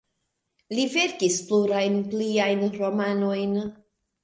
Li verkis plurajn pliajn romanojn.